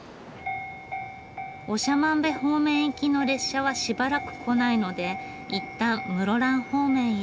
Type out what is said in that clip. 長万部方面行きの列車はしばらく来ないので一旦室蘭方面へ。